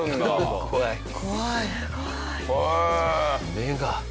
目が。